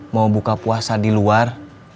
mau buka puasa di luar